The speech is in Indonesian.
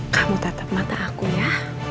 kamu tetap mata aku ya